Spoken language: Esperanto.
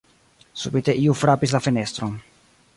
Subite iu frapis la fenestron.